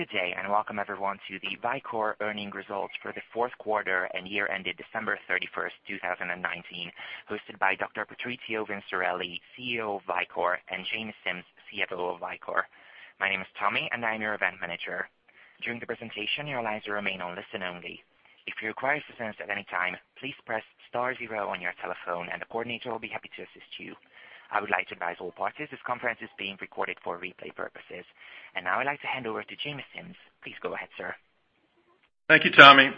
Good day, welcome everyone to the Vicor earnings results for the fourth quarter and year-ended December 31st, 2019, hosted by Dr. Patrizio Vinciarelli, CEO of Vicor, and James Simms, CFO of Vicor. My name is Tommy, and I am your event manager. During the presentation, your lines will remain on listen only. If you require assistance at any time, please press star zero on your telephone, and a coordinator will be happy to assist you. I would like to advise all parties, this conference is being recorded for replay purposes. Now I'd like to hand over to James Simms. Please go ahead, sir. Thank you, Tommy.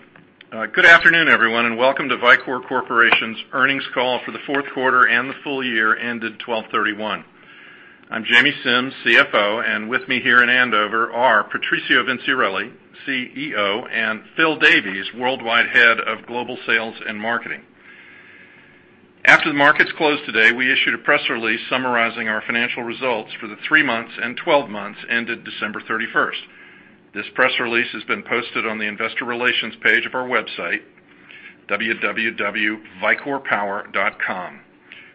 Good afternoon, everyone, and welcome to Vicor Corporation's earnings call for the fourth quarter and the full year ended 12/31. I'm James Simms, CFO, and with me here in Andover are Patrizio Vinciarelli, CEO, and Phil Davies, Worldwide Head of Global Sales and Marketing. After the markets closed today, we issued a press release summarizing our financial results for the three months and 12 months ended December 31st. This press release has been posted on the investor relations page of our website, www.vicorpower.com.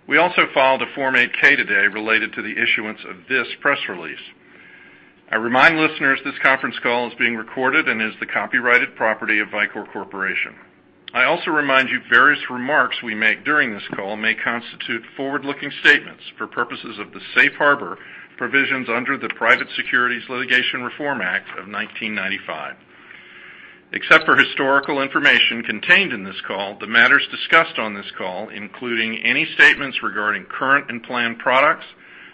We also filed a Form 8-K today related to the issuance of this press release. I remind listeners this conference call is being recorded and is the copyrighted property of Vicor Corporation. I also remind you various remarks we make during this call may constitute forward-looking statements for purposes of the safe harbor provisions under the Private Securities Litigation Reform Act of 1995. Except for historical information contained in this call, the matters discussed on this call, including any statements regarding current and planned products,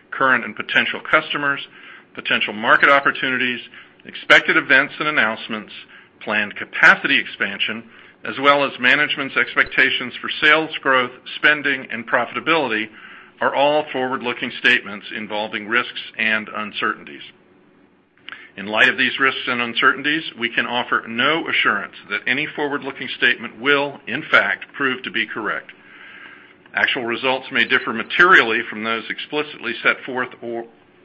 current and potential customers, potential market opportunities, expected events and announcements, planned capacity expansion, as well as management's expectations for sales growth, spending, and profitability, are all forward-looking statements involving risks and uncertainties. In light of these risks and uncertainties, we can offer no assurance that any forward-looking statement will, in fact, prove to be correct. Actual results may differ materially from those explicitly set forth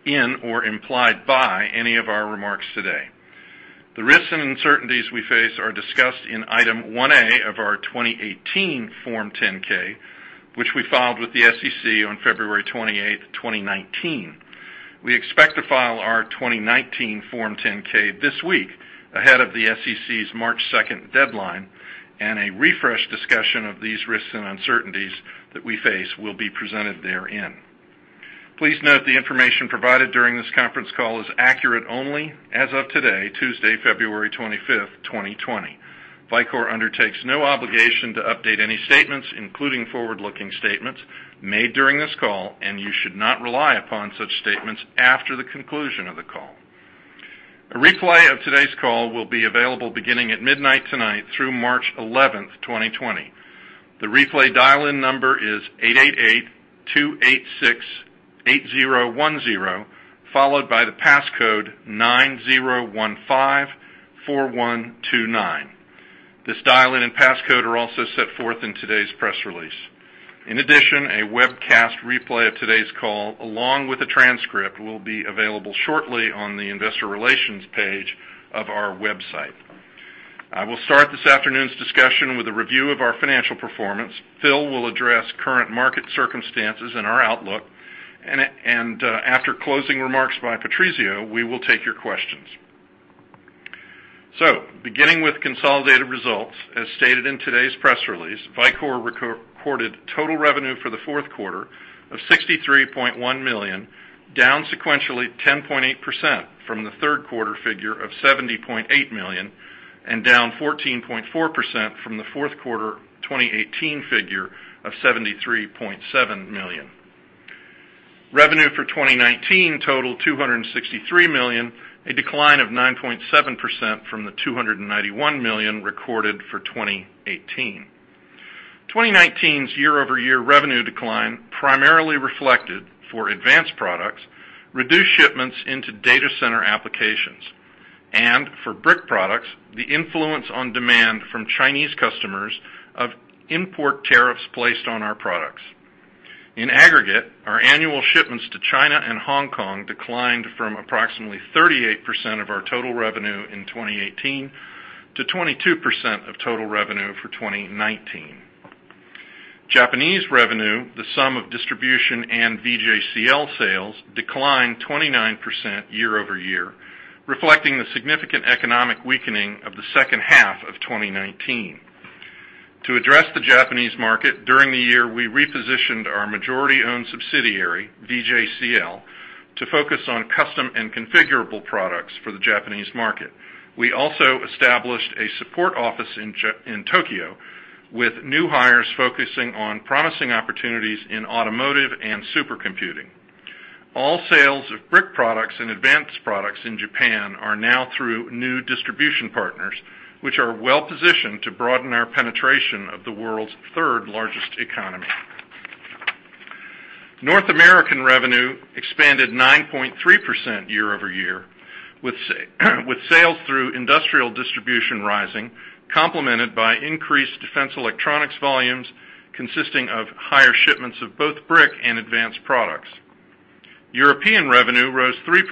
in or implied by any of our remarks today. The risks and uncertainties we face are discussed in Item 1A of our 2018 Form 10-K, which we filed with the SEC on February 28th, 2019. We expect to file our 2019 Form 10-K this week, ahead of the SEC's March 2nd deadline. A refreshed discussion of these risks and uncertainties that we face will be presented therein. Please note the information provided during this conference call is accurate only as of today, Tuesday, February 25th, 2020. Vicor undertakes no obligation to update any statements, including forward-looking statements made during this call, and you should not rely upon such statements after the conclusion of the call. A replay of today's call will be available beginning at midnight tonight through March 11th, 2020. The replay dial-in number is 888-286-8010, followed by the passcode 90154129. This dial-in and passcode are also set forth in today's press release. In addition, a webcast replay of today's call, along with a transcript, will be available shortly on the Investor Relations page of our website. I will start this afternoon's discussion with a review of our financial performance. Phil will address current market circumstances and our outlook, and after closing remarks by Patrizio, we will take your questions. Beginning with consolidated results, as stated in today's press release, Vicor recorded total revenue for the fourth quarter of $63.1 million, down sequentially 10.8% from the third quarter figure of $70.8 million and down 14.4% from the fourth quarter 2018 figure of $73.7 million. Revenue for 2019 totaled $263 million, a decline of 9.7% from the $291 million recorded for 2018. 2019's year-over-year revenue decline primarily reflected for advanced products, reduced shipments into data center applications, and for brick products, the influence on demand from Chinese customers of import tariffs placed on our products. In aggregate, our annual shipments to China and Hong Kong declined from approximately 38% of our total revenue in 2018 to 22% of total revenue for 2019. Japanese revenue, the sum of distribution and VJCL sales, declined 29% year-over-year, reflecting the significant economic weakening of the second half of 2019. To address the Japanese market, during the year, we repositioned our majority-owned subsidiary, VJCL, to focus on custom and configurable products for the Japanese market. We also established a support office in Tokyo with new hires focusing on promising opportunities in automotive and supercomputing. All sales of brick products and advanced products in Japan are now through new distribution partners, which are well-positioned to broaden our penetration of the world's third-largest economy. North American revenue expanded 9.3% year-over-year, with sales through industrial distribution rising, complemented by increased defense electronics volumes consisting of higher shipments of both brick and advanced products. European revenue rose 3%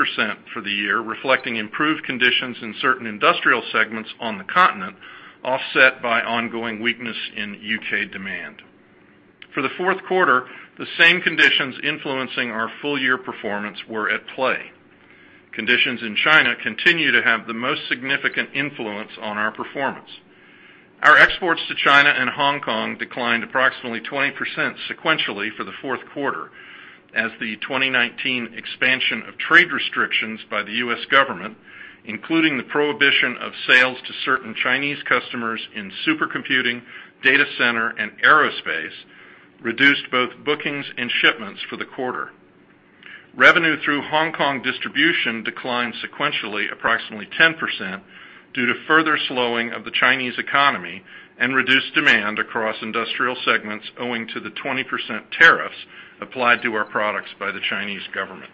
for the year, reflecting improved conditions in certain industrial segments on the continent, offset by ongoing weakness in U.K. demand. For the fourth quarter, the same conditions influencing our full year performance were at play. Conditions in China continue to have the most significant influence on our performance. Our exports to China and Hong Kong declined approximately 20% sequentially for the fourth quarter, as the 2019 expansion of trade restrictions by the U.S. government, including the prohibition of sales to certain Chinese customers in supercomputing, data center, and aerospace, reduced both bookings and shipments for the quarter. Revenue through Hong Kong distribution declined sequentially approximately 10% due to further slowing of the Chinese economy and reduced demand across industrial segments owing to the 20% tariffs applied to our products by the Chinese government.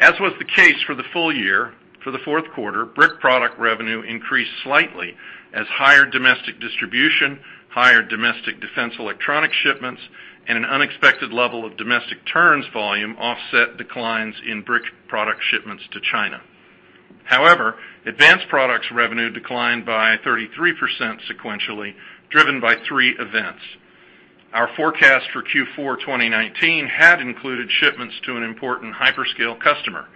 As was the case for the full year, for the fourth quarter, brick product revenue increased slightly as higher domestic distribution, higher domestic defense electronic shipments, and an unexpected level of domestic turns volume offset declines in brick product shipments to China. However, advanced products revenue declined by 33% sequentially, driven by three events. Our forecast for Q4 2019 had included shipments to an important hyperscale customer.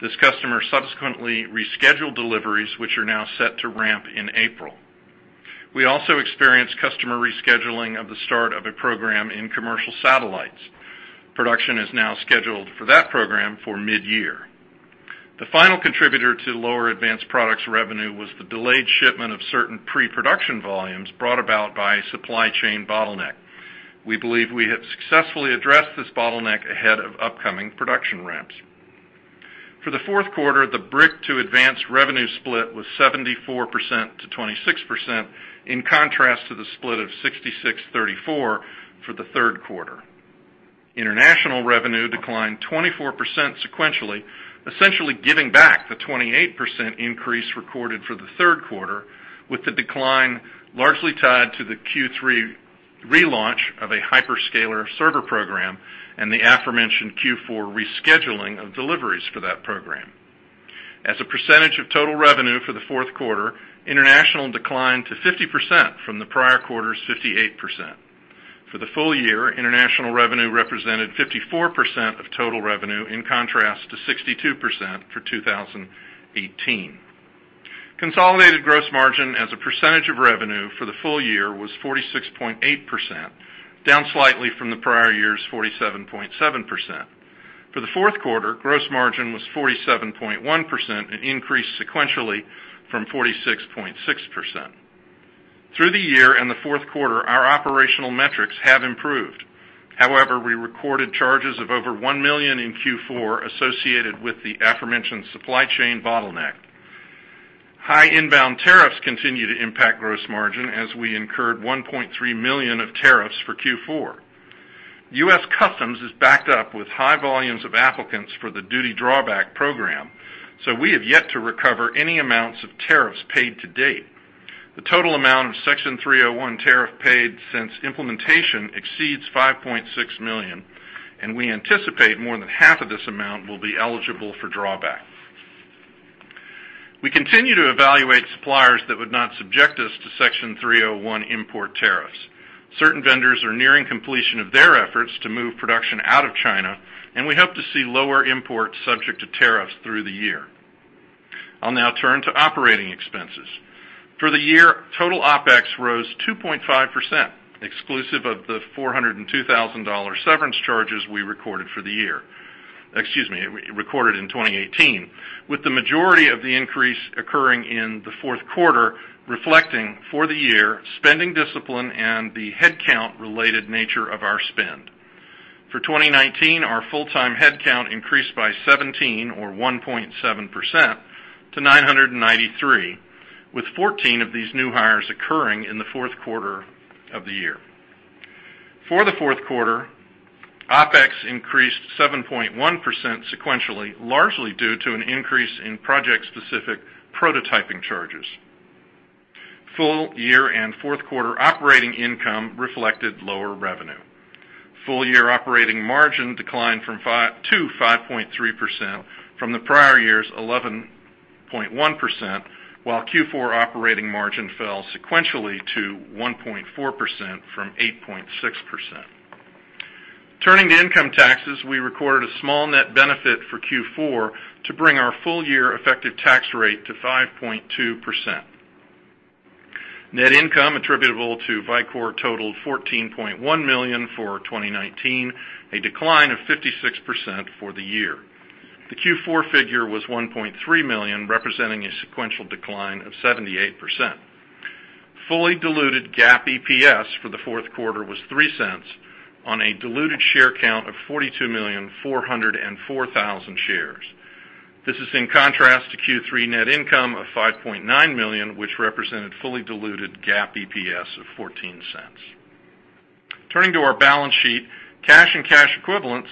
This customer subsequently rescheduled deliveries, which are now set to ramp in April. We also experienced customer rescheduling of the start of a program in commercial satellites. Production is now scheduled for that program for mid-year. The final contributor to lower advanced products revenue was the delayed shipment of certain pre-production volumes brought about by a supply chain bottleneck. We believe we have successfully addressed this bottleneck ahead of upcoming production ramps. For the fourth quarter, the brick-to-advanced revenue split was 74% to 26%, in contrast to the split of 66/34 for the third quarter. International revenue declined 24% sequentially, essentially giving back the 28% increase recorded for the third quarter, with the decline largely tied to the Q3 relaunch of a hyperscaler server program and the aforementioned Q4 rescheduling of deliveries for that program. As a percentage of total revenue for the fourth quarter, international declined to 50% from the prior quarter's 58%. For the full year, international revenue represented 54% of total revenue, in contrast to 62% for 2018. Consolidated gross margin as a percentage of revenue for the full year was 46.8%, down slightly from the prior year's 47.7%. For the fourth quarter, gross margin was 47.1%, an increase sequentially from 46.6%. Through the year and the fourth quarter, our operational metrics have improved. However, we recorded charges of over $1 million in Q4 associated with the aforementioned supply chain bottleneck. High inbound tariffs continue to impact gross margin as we incurred $1.3 million of tariffs for Q4. U.S. Customs is backed up with high volumes of applicants for the duty drawback program. We have yet to recover any amounts of tariffs paid to date. The total amount of Section 301 tariff paid since implementation exceeds $5.6 million. We anticipate more than half of this amount will be eligible for drawback. We continue to evaluate suppliers that would not subject us to Section 301 import tariffs. Certain vendors are nearing completion of their efforts to move production out of China. We hope to see lower imports subject to tariffs through the year. I'll now turn to operating expenses. For the year, total OpEx rose 2.5%, exclusive of the $402,000 severance charges we recorded in 2018, with the majority of the increase occurring in the fourth quarter, reflecting for the year spending discipline and the headcount-related nature of our spend. For 2019, our full-time headcount increased by 17, or 1.7%, to 993, with 14 of these new hires occurring in the fourth quarter of the year. For the fourth quarter, OpEx increased 7.1% sequentially, largely due to an increase in project-specific prototyping charges. Full year and fourth quarter operating income reflected lower revenue. Full year operating margin declined to 5.3% from the prior year's 11.1%, while Q4 operating margin fell sequentially to 1.4% from 8.6%. Turning to income taxes, we recorded a small net benefit for Q4 to bring our full-year effective tax rate to 5.2%. Net income attributable to Vicor totaled $14.1 million for 2019, a decline of 56% for the year. The Q4 figure was $1.3 million, representing a sequential decline of 78%. Fully diluted GAAP EPS for the fourth quarter was $0.03 on a diluted share count of 42,404,000 shares. This is in contrast to Q3 net income of $5.9 million, which represented fully diluted GAAP EPS of $0.14. Turning to our balance sheet, cash and cash equivalents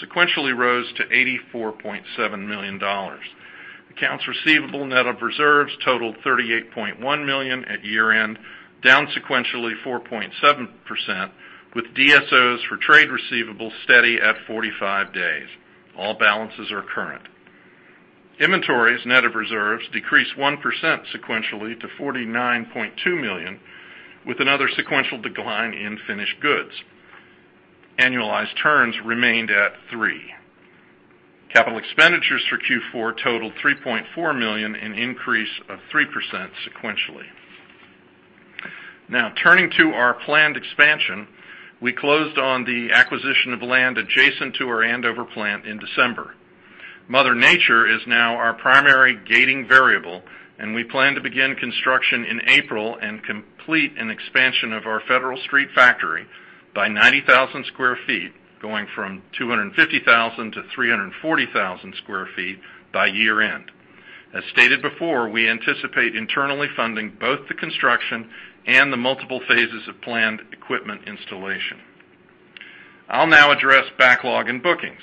sequentially rose to $84.7 million. Accounts receivable, net of reserves, totaled $38.1 million at year-end, down sequentially 4.7%, with DSOs for trade receivables steady at 45 days. All balances are current. Inventories net of reserves decreased 1% sequentially to $49.2 million, with another sequential decline in finished goods. Annualized turns remained at three. Capital expenditures for Q4 totaled $3.4 million, an increase of 3% sequentially. Now turning to our planned expansion, we closed on the acquisition of land adjacent to our Andover plant in December. Mother Nature is now our primary gating variable, we plan to begin construction in April and complete an expansion of our Federal Street factory by 90,000 sq ft, going from 250,000 sq ft to 340,000 sq ft by year-end. As stated before, we anticipate internally funding both the construction and the multiple phases of planned equipment installation. I'll now address backlog and bookings.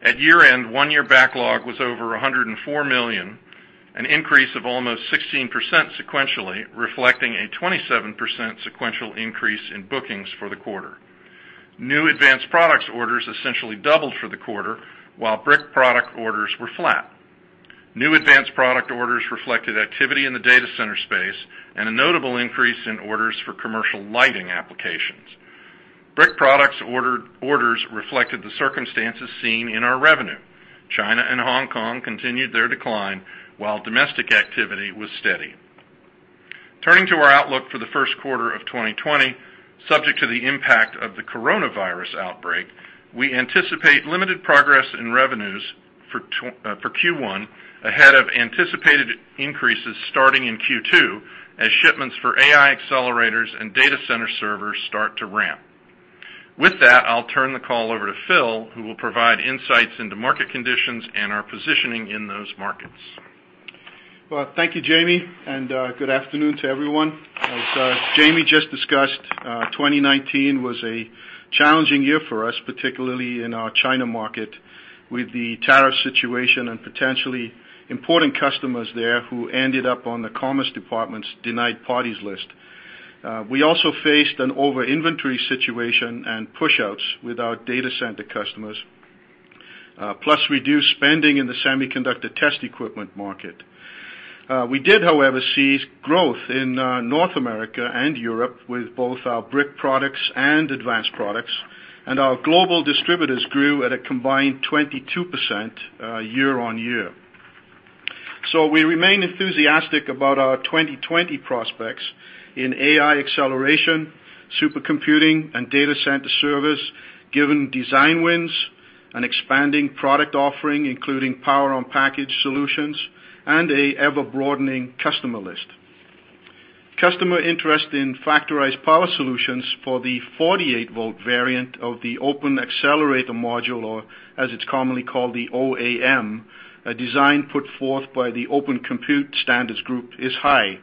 At year-end, one-year backlog was over $104 million, an increase of almost 16% sequentially, reflecting a 27% sequential increase in bookings for the quarter. New advanced products orders essentially doubled for the quarter, while brick product orders were flat. New advanced product orders reflected activity in the data center space and a notable increase in orders for commercial lighting applications. Brick products orders reflected the circumstances seen in our revenue. China and Hong Kong continued their decline, while domestic activity was steady. Turning to our outlook for the first quarter of 2020, subject to the impact of the coronavirus outbreak, we anticipate limited progress in revenues for Q1 ahead of anticipated increases starting in Q2 as shipments for AI accelerators and data center servers start to ramp. With that, I'll turn the call over to Phil, who will provide insights into market conditions and our positioning in those markets. Well, thank you, Jamie, and good afternoon to everyone. As Jamie just discussed, 2019 was a challenging year for us, particularly in our China market, with the tariff situation and potentially important customers there who ended up on the Department of Commerce's denied parties list. We also faced an over-inventory situation and pushouts with our data center customers, plus reduced spending in the semiconductor test equipment market. We did, however, see growth in North America and Europe with both our brick products and advanced products, and our global distributors grew at a combined 22% year-on-year. We remain enthusiastic about our 2020 prospects in AI acceleration, supercomputing, and data center service, given design wins, an expanding product offering, including Power-on-Package solutions, and an ever-broadening customer list. Customer interest in Factorized Power solutions for the 48-volt variant of the Open Accelerator Module, or as it's commonly called, the OAM, a design put forth by the Open Compute Project, is high.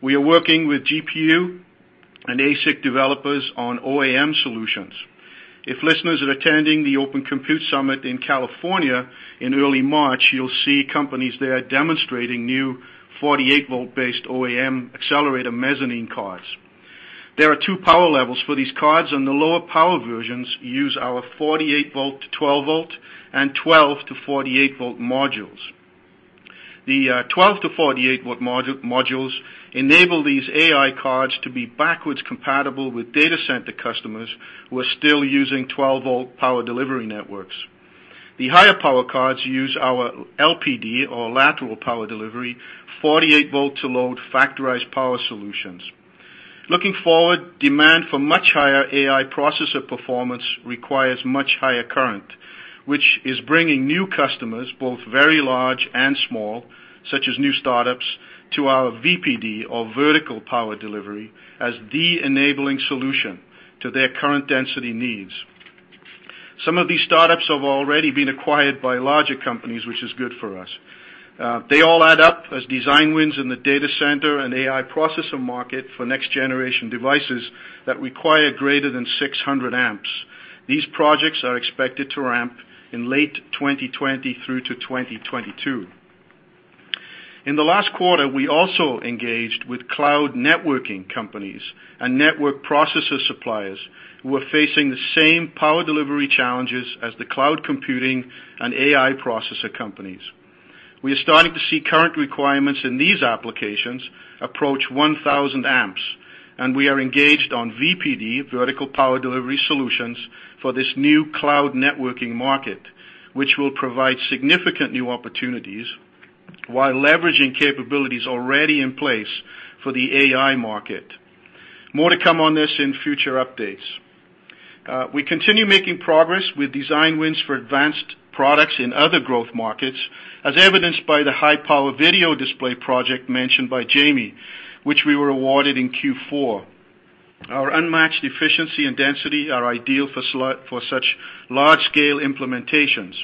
We are working with GPU and ASIC developers on OAM solutions. If listeners are attending the Open Compute Summit in California in early March, you'll see companies there demonstrating new 48-volt-based OAM accelerator mezzanine cards. There are two power levels for these cards, and the lower power versions use our 48 volt to 12 volt and 12 to 48-volt modules. The 12 to 48-volt modules enable these AI cards to be backwards compatible with data center customers who are still using 12-volt power delivery networks. The higher power cards use our LPD, or lateral power delivery, 48 volt to load Factorized Power solutions. Looking forward, demand for much higher AI processor performance requires much higher current, which is bringing new customers, both very large and small, such as new startups, to our VPD, or vertical power delivery, as the enabling solution to their current density needs. Some of these startups have already been acquired by larger companies, which is good for us. They all add up as design wins in the data center and AI processor market for next-generation devices that require greater than 600 amps. These projects are expected to ramp in late 2020 through to 2022. In the last quarter, we also engaged with cloud networking companies and network processor suppliers who are facing the same power delivery challenges as the cloud computing and AI processor companies. We are starting to see current requirements in these applications approach 1,000 amps, and we are engaged on VPD, vertical power delivery solutions, for this new cloud networking market, which will provide significant new opportunities while leveraging capabilities already in place for the AI market. More to come on this in future updates. We continue making progress with design wins for advanced products in other growth markets, as evidenced by the high-power video display project mentioned by Jamie, which we were awarded in Q4. Our unmatched efficiency and density are ideal for such large-scale implementations.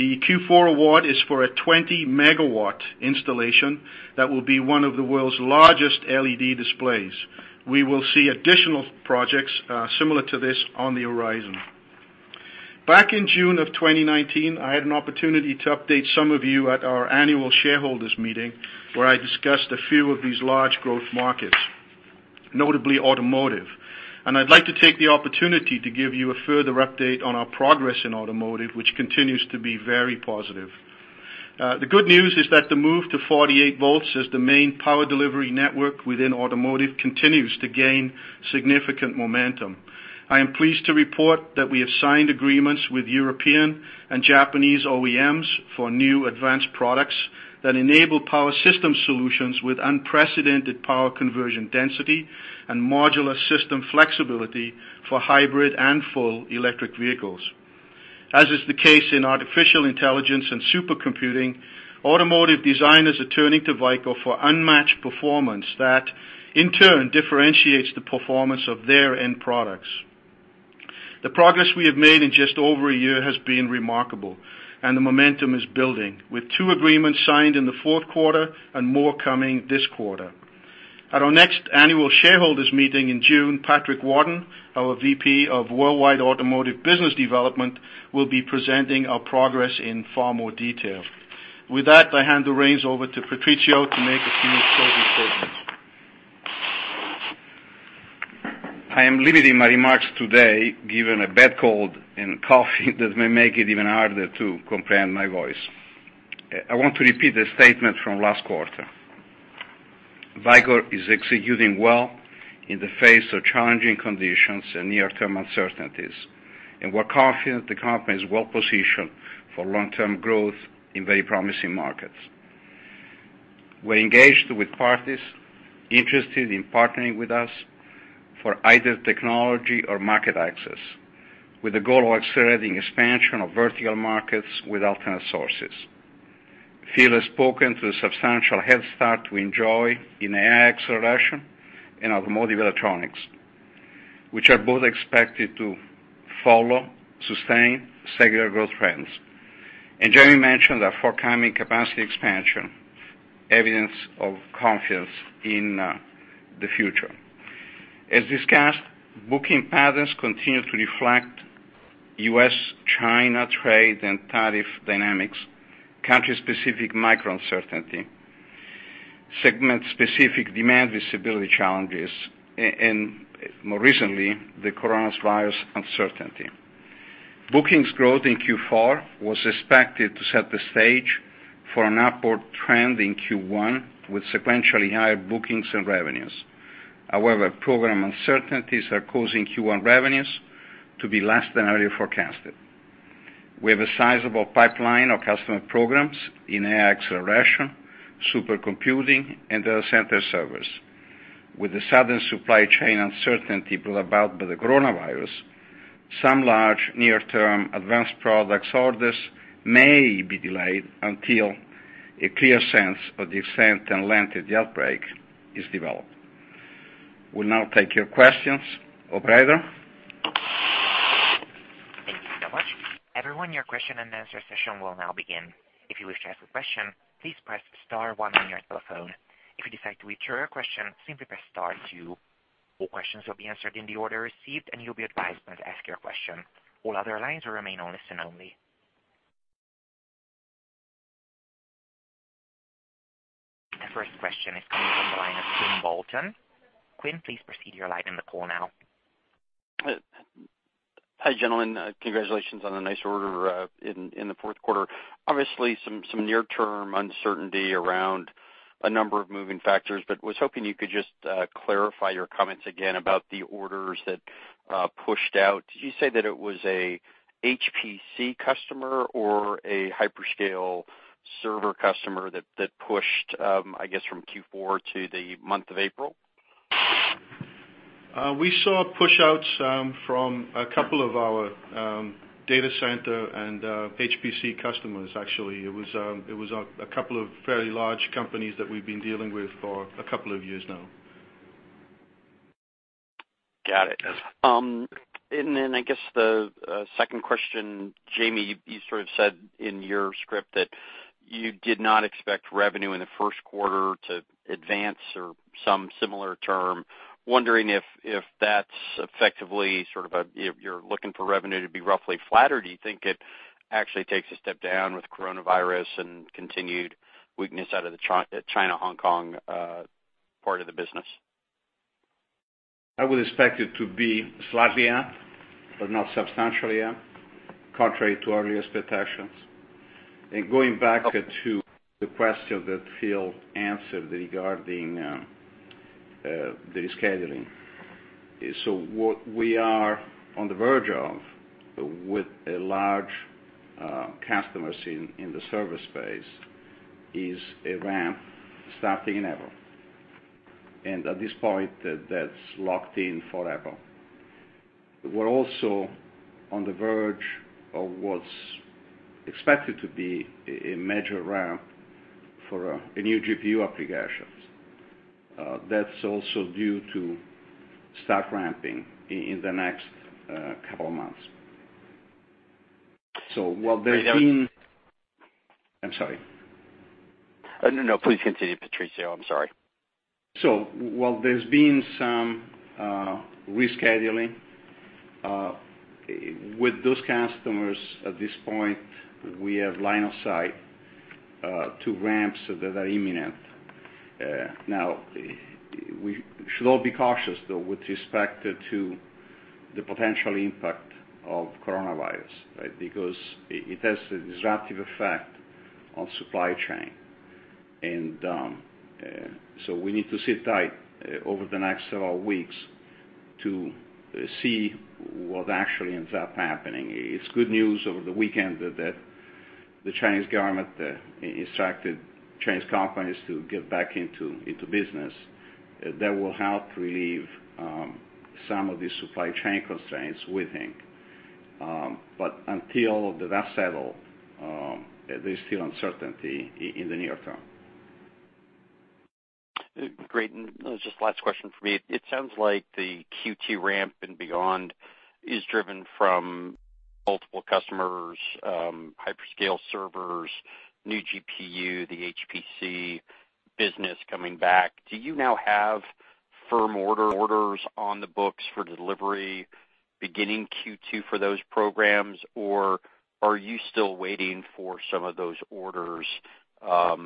The Q4 award is for a 20 MW installation that will be one of the world's largest LED displays. We will see additional projects similar to this on the horizon. Back in June of 2019, I had an opportunity to update some of you at our annual shareholders meeting, where I discussed a few of these large growth markets, notably automotive. I'd like to take the opportunity to give you a further update on our progress in automotive, which continues to be very positive. The good news is that the move to 48 volts as the main power delivery network within automotive continues to gain significant momentum. I am pleased to report that we have signed agreements with European and Japanese OEMs for new advanced products that enable power system solutions with unprecedented power conversion density and modular system flexibility for hybrid and full electric vehicles. As is the case in artificial intelligence and supercomputing, automotive designers are turning to Vicor for unmatched performance that, in turn, differentiates the performance of their end products. The progress we have made in just over a year has been remarkable, and the momentum is building, with two agreements signed in the fourth quarter and more coming this quarter. At our next annual shareholders meeting in June, Patrick Wadden, our VP of Worldwide Automotive Business Development, will be presenting our progress in far more detail. With that, I hand the reins over to Patrizio to make a few closing statements. I am limiting my remarks today, given a bad cold and cough that may make it even harder to comprehend my voice. I want to repeat a statement from last quarter. Vicor is executing well in the face of challenging conditions and near-term uncertainties, and we're confident the company is well-positioned for long-term growth in very promising markets. We're engaged with parties interested in partnering with us for either technology or market access, with the goal of accelerating expansion of vertical markets with alternate sources. Phil has spoken to the substantial head start we enjoy in AI acceleration and automotive electronics, which are both expected to follow sustained secular growth trends. Jamie mentioned our forthcoming capacity expansion, evidence of confidence in the future. As discussed, booking patterns continue to reflect U.S.-China trade and tariff dynamics, country-specific micro uncertainty, segment-specific demand visibility challenges, and more recently, the coronavirus uncertainty. Bookings growth in Q4 was expected to set the stage for an upward trend in Q1 with sequentially higher bookings and revenues. Program uncertainties are causing Q1 revenues to be less than earlier forecasted. We have a sizable pipeline of customer programs in AI acceleration, supercomputing, and data center servers. With the sudden supply chain uncertainty brought about by the coronavirus, some large near-term advanced products orders may be delayed until a clear sense of the extent and length of the outbreak is developed. We'll now take your questions. Operator? Thank you so much. Everyone, your question-and-answer session will now begin. If you wish to ask a question, please press star one on your telephone. If you decide to withdraw your question, simply press star two. All questions will be answered in the order received. You'll be advised when to ask your question. All other lines will remain on listen only. The first question is coming from the line of Quinn Bolton. Quinn, please proceed, you're live on the call now. Hi, gentlemen. Congratulations on a nice order in the fourth quarter. Obviously, some near-term uncertainty around a number of moving factors, but was hoping you could just clarify your comments again about the orders that pushed out. Did you say that it was a HPC customer or a hyperscale server customer that pushed, I guess, from Q4 to the month of April? We saw pushouts from a couple of our data center and HPC customers, actually. It was a couple of fairly large companies that we've been dealing with for a couple of years now. Got it. Yes. I guess, the second question, Jamie, you sort of said in your script that you did not expect revenue in the first quarter to advance or some similar term. Wondering if that's effectively sort of you're looking for revenue to be roughly flat, or do you think it actually takes a step down with coronavirus and continued weakness out of the China, Hong Kong part of the business? I would expect it to be slightly up, but not substantially up, contrary to our expectations. Going back to the question that Phil answered regarding the scheduling. What we are on the verge of with a large customer in the service space is a ramp starting in April. At this point, that's locked in for April. We're also on the verge of what's expected to be a major ramp for a new GPU applications. That's also due to start ramping in the next couple of months. I'm sorry. No, please continue, Patrizio, I'm sorry. While there's been some rescheduling with those customers at this point, we have line of sight to ramps that are imminent. We should all be cautious, though, with respect to the potential impact of coronavirus, right? It has a disruptive effect on supply chain. We need to sit tight over the next several weeks to see what actually ends up happening. It's good news over the weekend that the Chinese Government instructed Chinese companies to get back into business. That will help relieve some of the supply chain constraints, we think. Until the dust settles, there's still uncertainty in the near term. Great. Just last question from me, it sounds like the Q2 ramp and beyond is driven from multiple customers, hyperscale servers, new GPU, the HPC business coming back. Do you now have firm orders on the books for delivery beginning Q2 for those programs? Are you still waiting for some of those orders at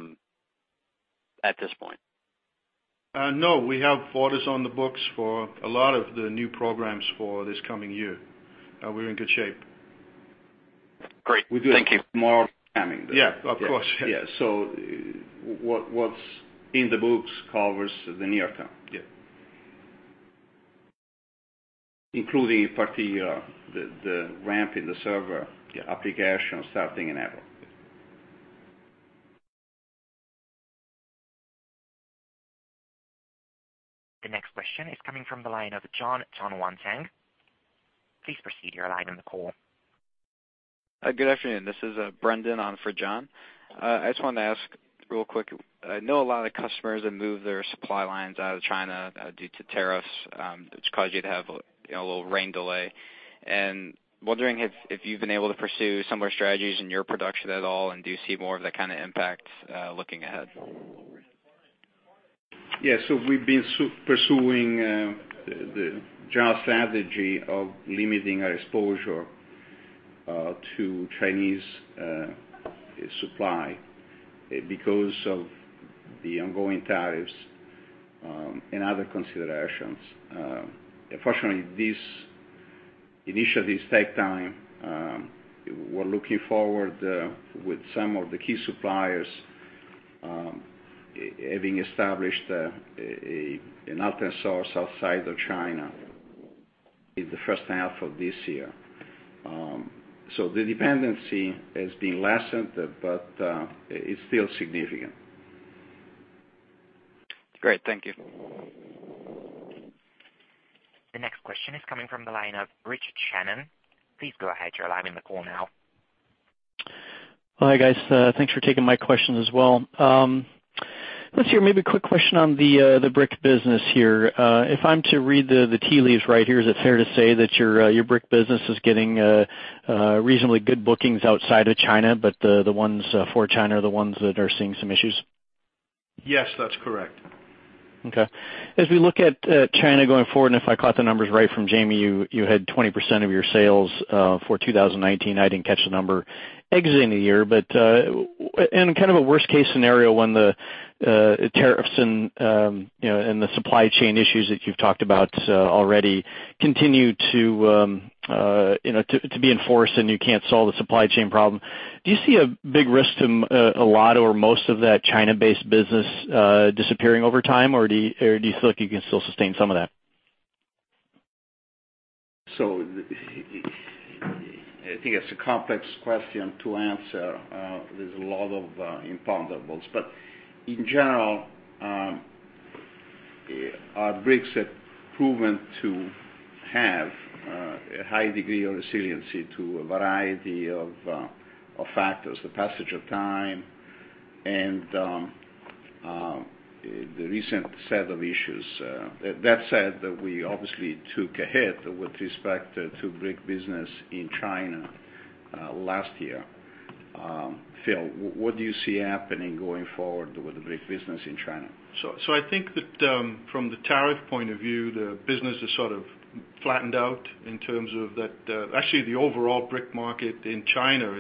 this point? No, we have orders on the books for a lot of the new programs for this coming year. We are in good shape. Great. Thank you. More timing there. Yeah, of course. Yeah. What's in the books covers the near term. Yeah. Including particularly the ramp in the server application starting in April. The next question is coming from the line of Jon Tanwanteng. Please proceed, you're live on the call. Good afternoon. This is Brendan on for Jon. I just wanted to ask real quick. I know a lot of customers have moved their supply lines out of China due to tariffs, which caused you to have a little rain delay. Wondering if you've been able to pursue similar strategies in your production at all, and do you see more of that kind of impact looking ahead? Yeah. We've been pursuing the general strategy of limiting our exposure to Chinese supply because of the ongoing tariffs and other considerations. Unfortunately, these initiatives take time. We're looking forward with some of the key suppliers having established an alternate source outside of China in the first half of this year. The dependency has been lessened, but it's still significant. Great. Thank you. The next question is coming from the line of Rich Shannon. Please go ahead, you're live in the call now. Hi, guys. Thanks for taking my question as well. Let's see, maybe a quick question on the brick business here. If I'm to read the tea leaves right here, is it fair to say that your brick business is getting reasonably good bookings outside of China, but the ones for China are the ones that are seeing some issues? Yes, that's correct. Okay. As we look at China going forward, and if I caught the numbers right from Jamie, you had 20% of your sales for 2019, I didn't catch the number exiting the year. In kind of a worst case scenario, when the tariffs and the supply chain issues that you've talked about already continue to be enforced and you can't solve the supply chain problem, do you see a big risk to a lot or most of that China-based business disappearing over time, or do you feel like you can still sustain some of that? I think it's a complex question to answer. There's a lot of imponderables. In general, our bricks have proven to have a high degree of resiliency to a variety of factors, the passage of time and the recent set of issues. That said, we obviously took a hit with respect to brick business in China last year. Phil, what do you see happening going forward with the brick business in China? I think that from the tariff point of view, the business has sort of flattened out in terms of that. Actually the overall brick market in China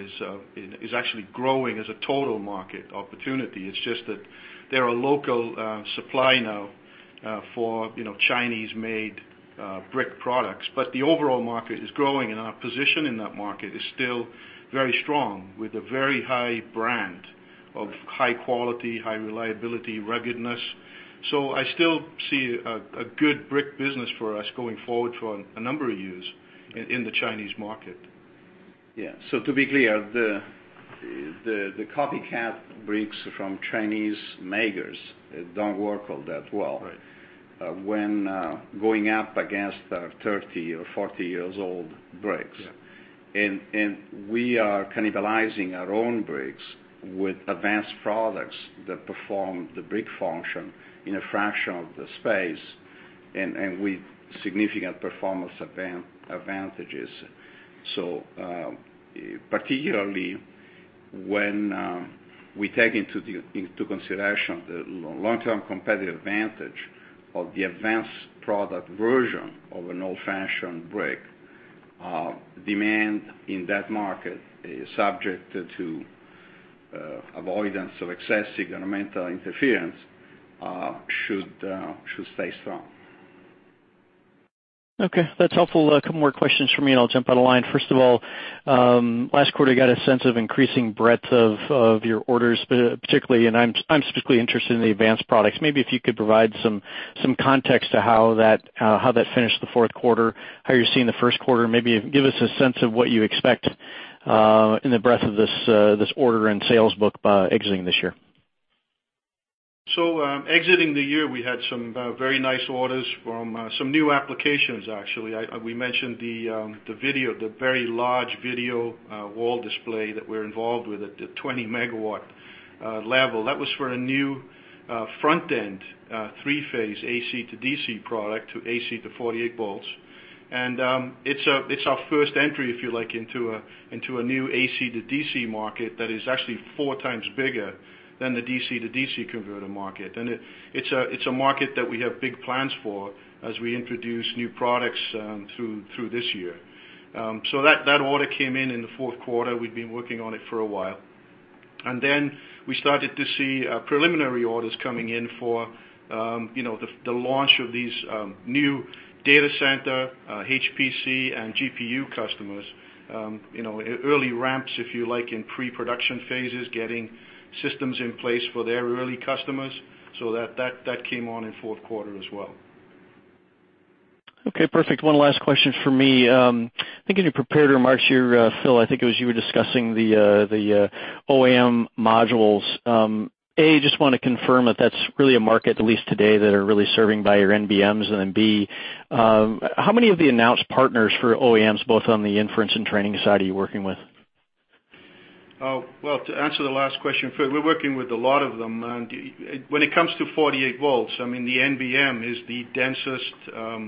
is actually growing as a total market opportunity. It's just that there are local supply now for Chinese-made brick products. The overall market is growing, and our position in that market is still very strong with a very high brand of high quality, high reliability, ruggedness. I still see a good brick business for us going forward for a number of years in the Chinese market. Yeah. To be clear, the copycat bricks from Chinese makers don't work all that well. Right When going up against our 30 or 40 years old bricks. Yeah. We are cannibalizing our own bricks with advanced products that perform the brick function in a fraction of the space and with significant performance advantages. Particularly, when we take into consideration the long-term competitive advantage of the advanced product version of an old-fashioned brick, demand in that market is subject to avoidance of excessive governmental interference, should stay strong. Okay. That's helpful. A couple more questions from me and I'll jump out of line. First of all, last quarter, you got a sense of increasing breadth of your orders, and I'm specifically interested in the advanced products. Maybe if you could provide some context to how that finished the fourth quarter, how you're seeing the first quarter, maybe give us a sense of what you expect in the breadth of this order and sales book by exiting this year. Exiting the year, we had some very nice orders from some new applications, actually. We mentioned the video, the very large video wall display that we're involved with at the 20 MW level. That was for a new front end, 3-phase AC-DC product to AC to 48 volts. It's our first entry, if you like, into a new AC-to-DC market that is actually four times bigger than the DC-to-DC converter market. It's a market that we have big plans for as we introduce new products through this year. That order came in in the fourth quarter. We've been working on it for a while. We started to see preliminary orders coming in for the launch of these new data center, HPC, and GPU customers. Early ramps, if you like, in pre-production phases, getting systems in place for their early customers. That came on in fourth quarter as well. Okay, perfect. One last question from me. I think in your prepared remarks here, Phil, I think it was you were discussing the OAM modules. A, just want to confirm that that's really a market, at least today, that are really serving by your NBMs, B, how many of the announced partners for OAMs, both on the inference and training side, are you working with? Well, to answer the last question first, we're working with a lot of them. When it comes to 48 volts, the NBM is the densest,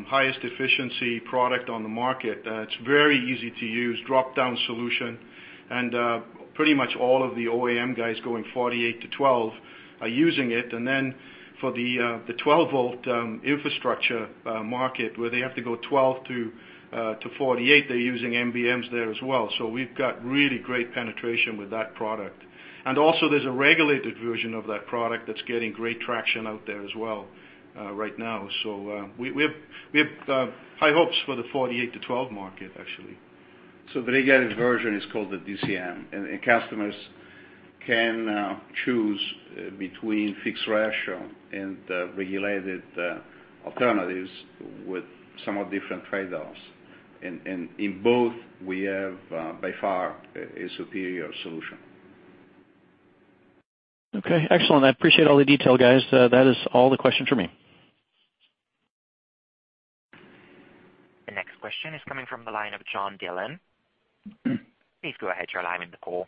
highest efficiency product on the market. It's very easy to use, drop-down solution, and pretty much all of the OAM guys going 48 volts to 12 volts are using it. For the 12-volt infrastructure market, where they have to go 12 volts to 48 volts, they're using NBMs there as well. We've got really great penetration with that product. There's a regulated version of that product that's getting great traction out there as well right now. We have high hopes for the 48 volts to 12 volts market, actually. The regulated version is called the DCM, and customers can choose between fixed ratio and regulated alternatives with somewhat different trade-offs. In both, we have, by far, a superior solution. Okay, excellent. I appreciate all the detail, guys. That is all the questions from me. The next question is coming from the line of John Dillon. Please go ahead. Your line in the call.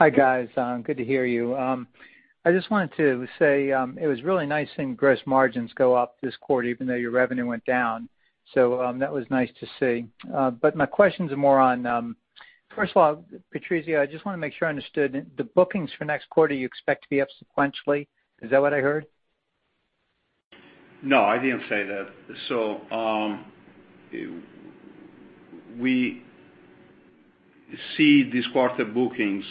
Hi, guys. Good to hear you. I just wanted to say, it was really nice seeing gross margins go up this quarter, even though your revenue went down. That was nice to see. My questions are more on, first of all, Patrizio, I just want to make sure I understood. The bookings for next quarter, you expect to be up sequentially. Is that what I heard? No, I didn't say that. We see this quarter bookings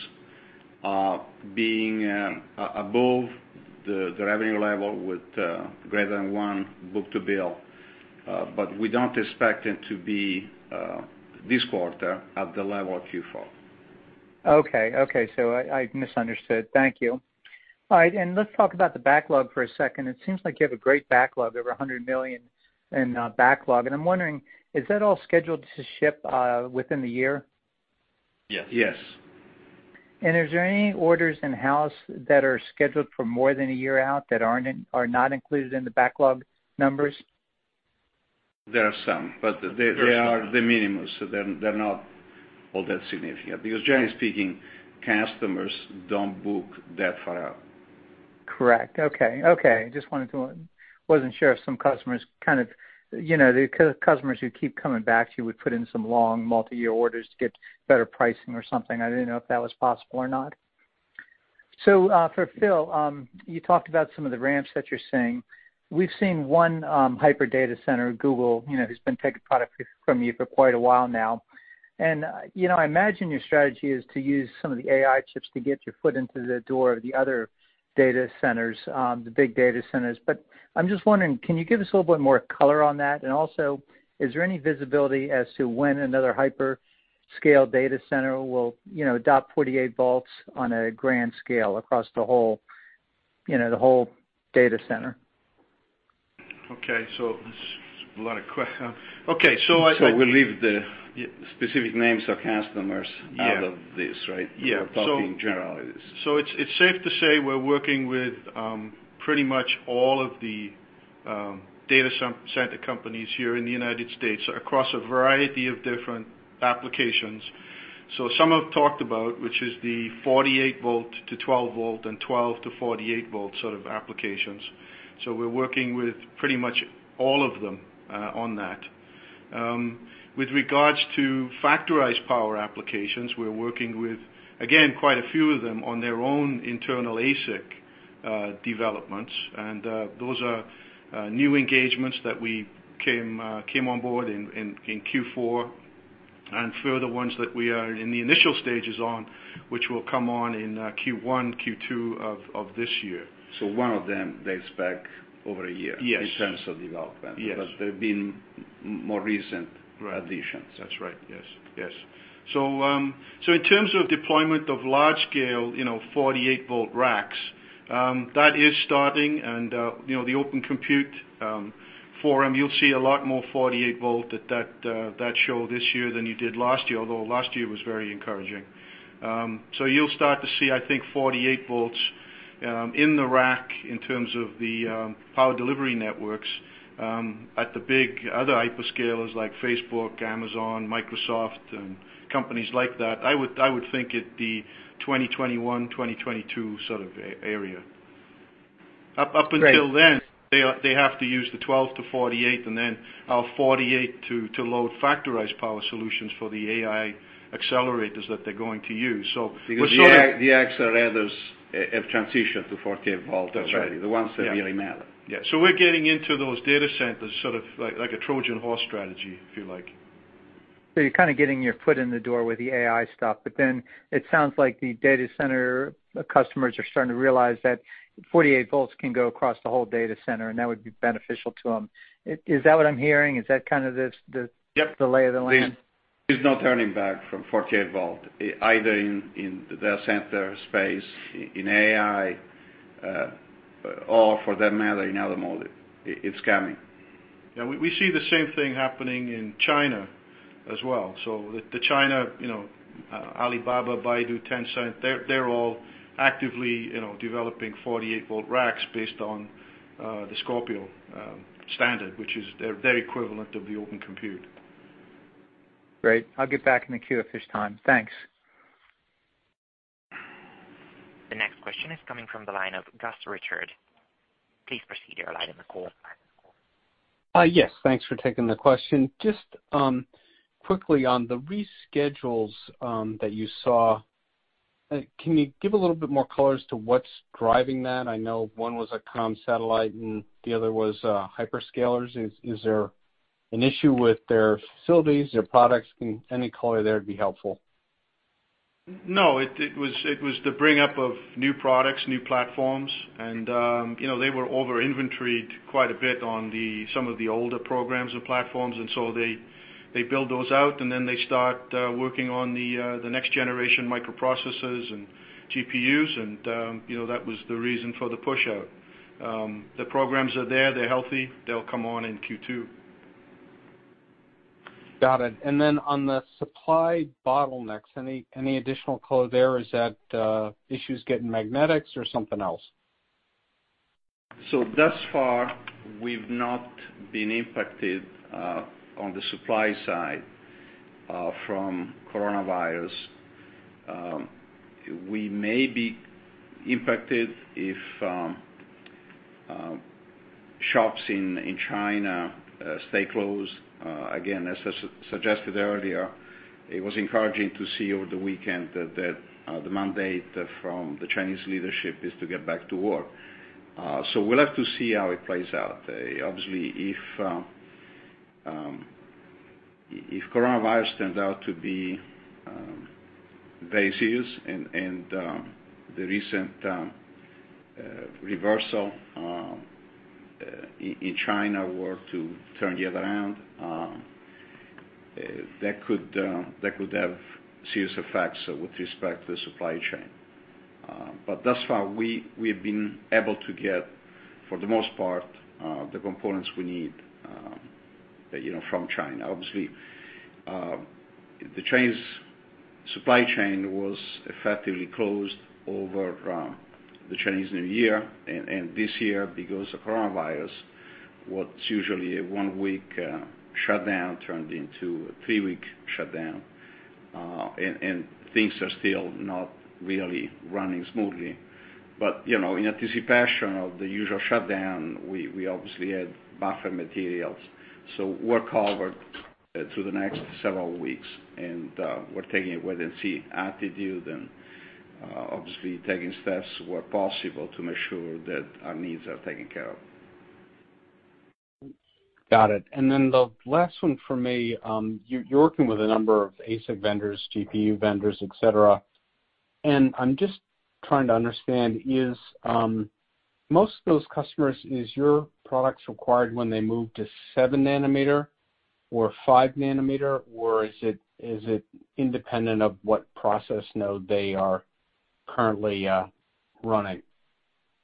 being above the revenue level with greater than one book-to-bill. We don't expect it to be this quarter at the level of Q4. Okay. I misunderstood. Thank you. All right. Let's talk about the backlog for a second. It seems like you have a great backlog, over $100 million in backlog. I'm wondering, is that all scheduled to ship within the year? Yes. Yes. Is there any orders in-house that are scheduled for more than a year out that are not included in the backlog numbers? There are some, but they are the minimum, so they're not all that significant because generally speaking, customers don't book that far out. Correct. Okay. Just wasn't sure if some customers kind of, the customers who keep coming back to you would put in some long multi-year orders to get better pricing or something. I didn't know if that was possible or not. For Phil, you talked about some of the ramps that you're seeing. We've seen one hyper data center, Google, who's been taking product from you for quite a while now. I imagine your strategy is to use some of the AI chips to get your foot into the door of the other data centers, the big data centers. I'm just wondering, can you give us a little bit more color on that? Also, is there any visibility as to when another hyper-scale data center will adopt 48 volts on a grand scale across the whole data center? Okay. there's a lot of, okay. We'll leave the specific names of customers- Yeah out of this, right? Yeah. We're talking generalities. It's safe to say we're working with pretty much all of the data center companies here in the United States across a variety of different applications. Some I've talked about, which is the 48-volt to 12-volt and 12-volt to 48-volt sort of applications. We're working with pretty much all of them on that. With regards to Factorized Power applications, we're working with, again, quite a few of them on their own internal ASIC developments. Those are new engagements that we came on board in Q4, and further ones that we are in the initial stages on, which will come on in Q1, Q2 of this year. One of them dates back over a year. Yes In terms of development. Yes. But there have been more recent- Right additions. That's right. Yes. In terms of deployment of large scale 48-volt racks, that is starting and the Open Compute, you'll see a lot more 48-volt at that show this year than you did last year, although last year was very encouraging. You'll start to see, I think, 48 volts in the rack in terms of the power delivery networks, at the big other hyperscalers like Facebook, Amazon, Microsoft, and companies like that. I would think at the 2021, 2022 sort of area. Up until then. Great They have to use the 12-volt to 48-volt, and then our 48-volt to load Factorized Power solutions for the AI accelerators that they're going to use. Because the accelerators have transitioned to 48-volt already. That's right. The ones that really matter. Yeah. We're getting into those data centers, sort of like a Trojan horse strategy, if you like. You're kind of getting your foot in the door with the AI stuff, but then it sounds like the data center customers are starting to realize that 48 volts can go across the whole data center, and that would be beneficial to them. Is that what I'm hearing? Yep The lay of the land? There's no turning back from 48-volt, either in the data center space, in AI, or for that matter, in automotive. It's coming. We see the same thing happening in China as well. The China, Alibaba, Baidu, Tencent, they're all actively developing 48-volt racks based on the Scorpio standard, which is their equivalent of the Open Compute. Great. I'll get back in the queue at this time. Thanks. The next question is coming from the line of Gus Richard. Please proceed, your line is open. Yes. Thanks for taking the question. Just quickly on the reschedules that you saw, can you give a little bit more color as to what's driving that? I know one was a comm satellite and the other was hyperscalers. Is there an issue with their facilities, their products? Any color there would be helpful. No, it was the bring up of new products, new platforms, and they were over inventoried quite a bit on some of the older programs or platforms. They build those out, and then they start working on the next generation microprocessors and GPUs and that was the reason for the push out. The programs are there, they're healthy. They'll come on in Q2. Got it. On the supply bottlenecks, any additional color there? Is that issues getting magnetics or something else? Thus far, we've not been impacted on the supply side from coronavirus. We may be impacted if shops in China stay closed. Again, as suggested earlier, it was encouraging to see over the weekend that the mandate from the Chinese leadership is to get back to work. We'll have to see how it plays out. Obviously, if coronavirus turns out to be very serious and the recent reversal in China were to turn the other way around, that could have serious effects with respect to the supply chain. Thus far, we've been able to get, for the most part, the components we need from China. Obviously, the Chinese supply chain was effectively closed over the Chinese New Year, and this year, because of coronavirus, what's usually a one-week shutdown turned into a three-week shutdown. Things are still not really running smoothly. In anticipation of the usual shutdown, we obviously had buffer materials. We're covered through the next several weeks. We're taking a wait and see attitude and obviously taking steps where possible to make sure that our needs are taken care of. Got it. Then the last one from me. You're working with a number of ASIC vendors, GPU vendors, et cetera, I'm just trying to understand, most of those customers, is your products required when they move to 7 nm or 5 nm, or is it independent of what process node they are currently running?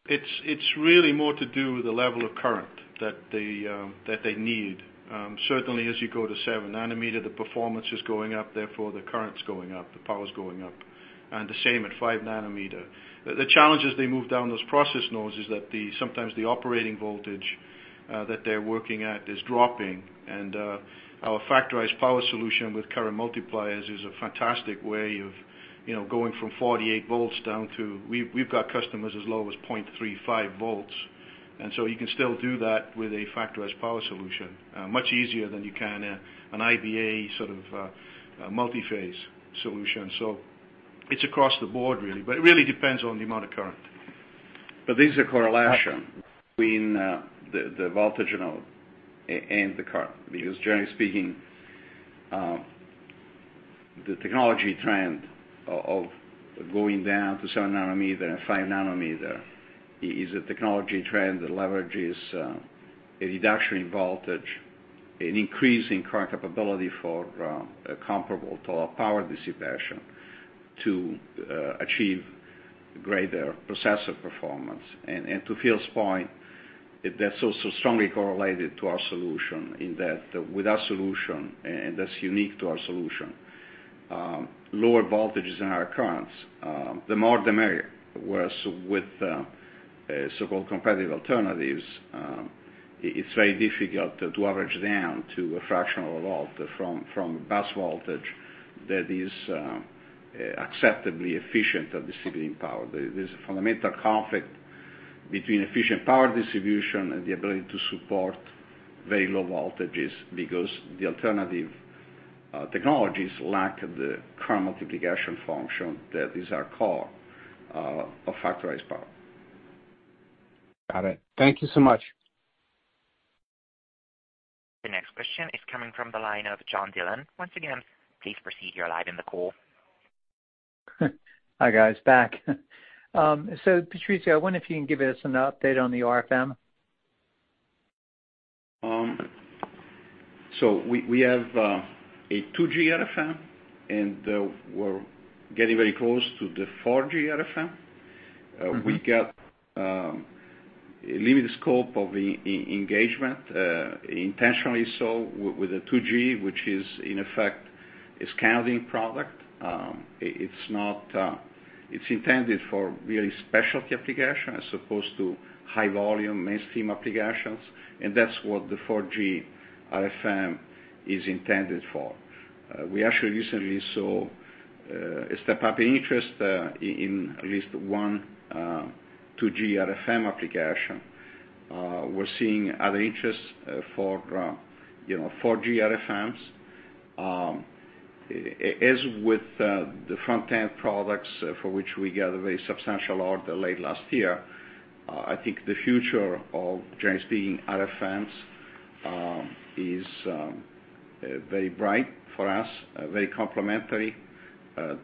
It's really more to do with the level of current that they need. Certainly, as you go to 7 nm, the performance is going up, therefore the current's going up, the power's going up. The same at 5 nm. The challenge as they move down those process nodes is that sometimes the operating voltage that they're working at is dropping. Our Factorized Power solution with current multipliers is a fantastic way of going from 48 volts down to, we've got customers as low as 0.35 volts. You can still do that with a Factorized Power solution much easier than you can an IBA multi-phase solution. It's across the board, really, but it really depends on the amount of current. There's a correlation between the voltage node and the current, because generally speaking, the technology trend of going down to 7 nm and 5 nm is a technology trend that leverages a reduction in voltage, an increase in current capability for comparable to our power dissipation to achieve greater processor performance. To Phil's point, that's also strongly correlated to our solution in that with our solution, and that's unique to our solution, lower voltages and higher currents, the more the merrier. Whereas with so-called competitive alternatives, it's very difficult to average down to a fraction of a volt from bus voltage that is acceptably efficient at distributing power. There's a fundamental conflict between efficient power distribution and the ability to support very low voltages, because the alternative technologies lack the current multiplication function that is our core of Factorized Power. Got it. Thank you so much. The next question is coming from the line of John Dillon. Once again, please proceed. You're live in the call. Hi, guys. Back. Patrizio, I wonder if you can give us an update on the RFM. We have a 2G RFM, and we're getting very close to the 4G RFM. We get limited scope of engagement, intentionally so, with the 2G, which is in effect a scouting product. It's intended for really specialty applications as opposed to high volume mainstream applications. That's what the 4G RFM is intended for. We actually recently saw a step-up in interest in at least one 2G RFM application. We're seeing other interests for 4G RFMs. As with the front-end products for which we got a very substantial order late last year, I think the future of generally speaking, RFMs, is very bright for us, very complementary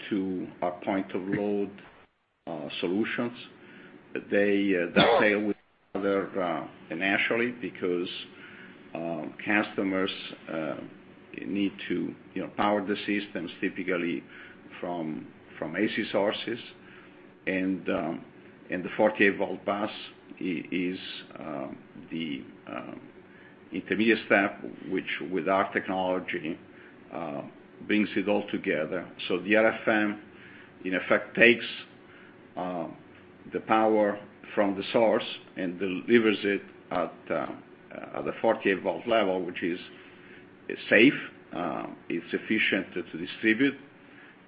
to our point-of-load solutions. They dovetail with each other financially, because customers need to power the systems, typically from AC sources. The 48-volt bus is the intermediate step, which with our technology, brings it all together. The RFM, in effect, takes the power from the source and delivers it at the 48-volt level, which is safe, it's efficient to distribute,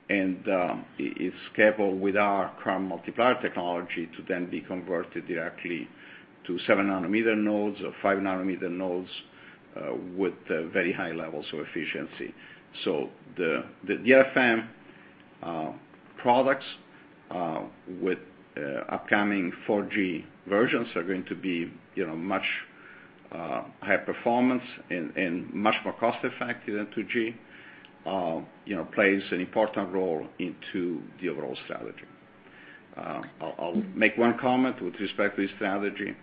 and it's coupled with our current multiplier technology to then be converted directly to 7 nm nodes or 5 nm nodes with very high levels of efficiency. The RFM products with upcoming 4G versions are going to be much higher performance and much more cost-effective than 2G, plays an important role into the overall strategy. I'll make one comment with respect to the strategy.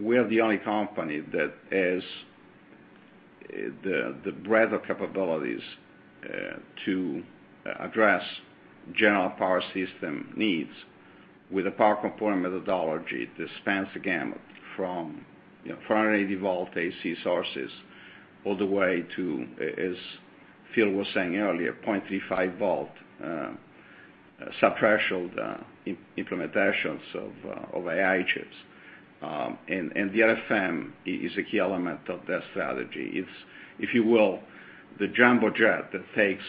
We are the only company that has the breadth of capabilities to address general power system needs with a power component methodology that spans the gamut from 480-volt AC sources all the way to, as Phil was saying earlier, 0.35-volt subthreshold implementations of AI chips. The RFM is a key element of that strategy. It's, if you will, the jumbo jet that takes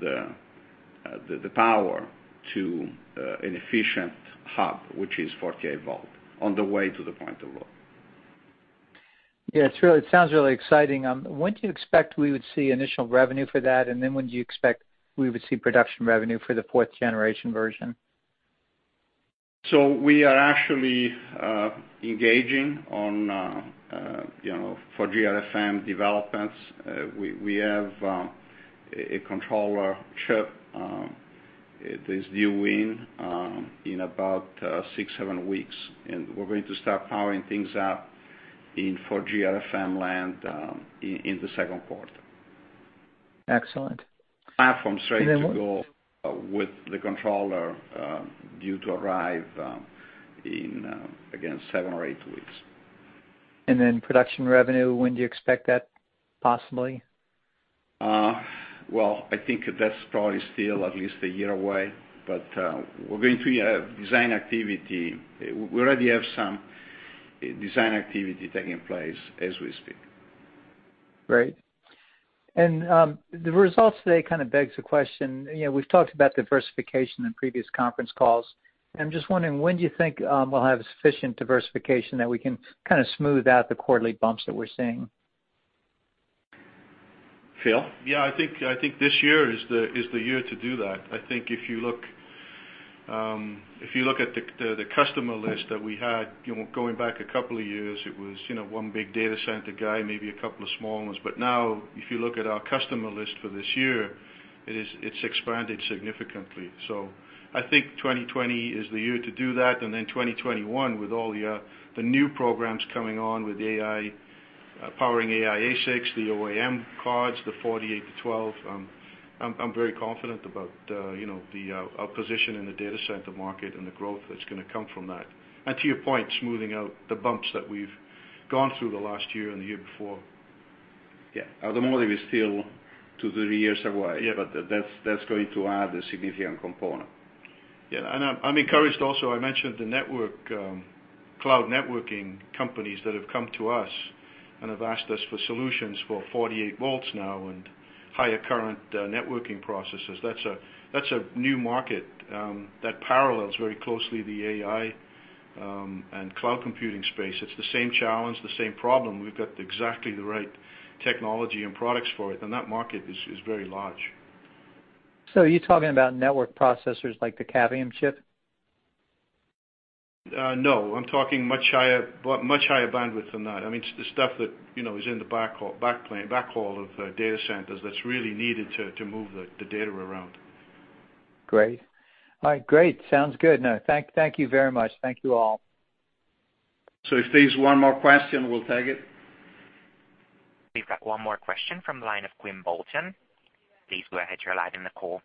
the power to an efficient hub, which is 48-volt, on the way to the point of load. Yeah, it sounds really exciting. When do you expect we would see initial revenue for that, and then when do you expect we would see production revenue for the 4th generation version? We are actually engaging on 4G RFM developments. We have a controller chip that is due in in about six, seven weeks, and we're going to start powering things up in 4G RFM land in the second quarter. Excellent. Platform straight to go with the controller due to arrive in, again, seven or eight weeks. Production revenue, when do you expect that possibly? Well, I think that's probably still at least a year away, but we're going to design activity. We already have some design activity taking place as we speak. Great. The results today kind of begs the question. We've talked about diversification in previous conference calls. I'm just wondering, when do you think we'll have sufficient diversification that we can kind of smooth out the quarterly bumps that we're seeing? Phil? Yeah, I think this year is the year to do that. I think if you look at the customer list that we had going back a couple of years, it was one big data center guy, maybe a couple of small ones. Now, if you look at our customer list for this year, it's expanded significantly. I think 2020 is the year to do that, then 2021 with all the new programs coming on with AI, powering AI ASICs, the OAM cards, the 48-volt to 12-volt. I'm very confident about our position in the data center market and the growth that's going to come from that. To your point, smoothing out the bumps that we've gone through the last year and the year before. Yeah. At the moment, it is still two to three years away. Yeah That's going to add a significant component. Yeah. I'm encouraged also, I mentioned the cloud networking companies that have come to us and have asked us for solutions for 48 volts now and higher current networking processors. That's a new market that parallels very closely the AI and cloud computing space. It's the same challenge, the same problem. We've got exactly the right technology and products for it, and that market is very large. Are you talking about network processors like the Cavium chip? No, I'm talking much higher bandwidth than that. I mean, the stuff that is in the backhaul of data centers that's really needed to move the data around. Great. All right, great. Sounds good. Thank you very much. Thank you all. If there's one more question, we'll take it. We've got one more question from the line of Quinn Bolton. Please go ahead. You're live in the call.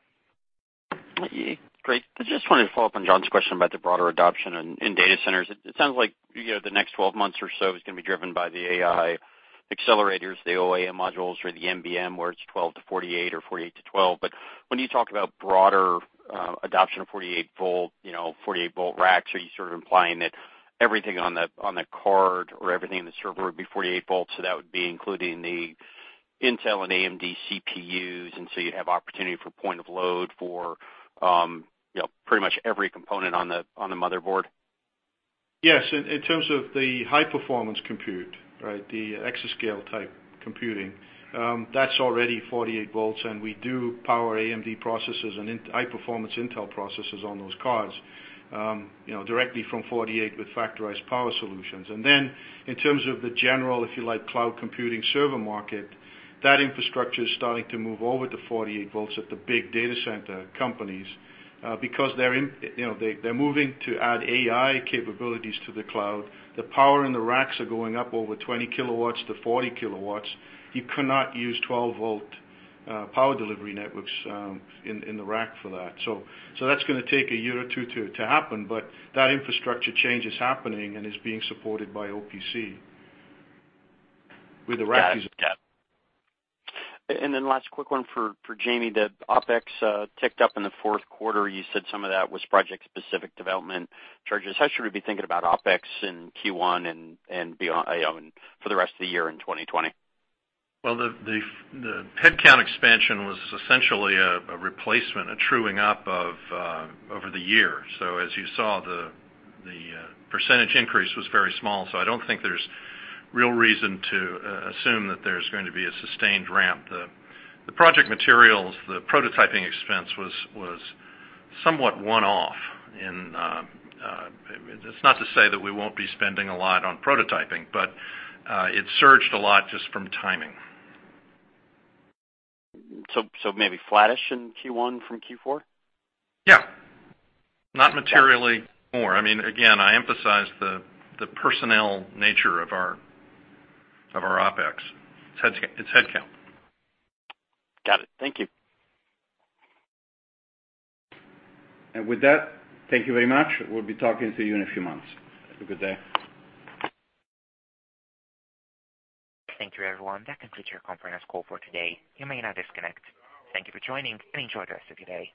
Yeah. Great. I just wanted to follow up on John's question about the broader adoption in data centers. It sounds like the next 12 months or so is going to be driven by the AI accelerators, the OAM modules, or the NBM, where it's 12-volt to 48-volt or 48-volt to 12-volt. When you talk about broader adoption of 48-volt racks, are you sort of implying that everything on the card or everything in the server would be 48 volts, so that would be including the Intel and AMD CPUs, and so you'd have opportunity for point of load for pretty much every component on the motherboard? Yes, in terms of the high-performance compute, right? The exascale type computing, that's already 48 volts. We do power AMD processors and high-performance Intel processors on those cards, directly from 48 volts with Factorized Power solutions. In terms of the general, if you like, cloud computing server market, that infrastructure is starting to move over to 48 volts at the big data center companies, because they're moving to add AI capabilities to the cloud. The power and the racks are going up over 20 kW-40 kW. You cannot use 12-volt power delivery networks in the rack for that. That's going to take a year or two to happen, but that infrastructure change is happening and is being supported by OCP with the racks. Yeah. Last quick one for Jamie, the OpEx ticked up in the fourth quarter. You said some of that was project-specific development charges. How should we be thinking about OpEx in Q1 and for the rest of the year in 2020? Well, the headcount expansion was essentially a replacement, a truing up over the year. As you saw, the percentage increase was very small. I don't think there's real reason to assume that there's going to be a sustained ramp. The project materials, the prototyping expense was somewhat one-off. That's not to say that we won't be spending a lot on prototyping. It surged a lot just from timing. Maybe flattish in Q1 from Q4? Yeah. Not materially more. Again, I emphasize the personnel nature of our OpEx. It's headcount. Got it. Thank you. With that, thank you very much. We'll be talking to you in a few months. Have a good day. Thank you, everyone. That concludes your conference call for today. You may now disconnect. Thank you for joining and enjoy the rest of your day.